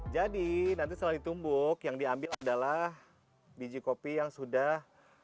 jadi nanti setelah ditumbuk yang diambil adalah biji kopi yang sudah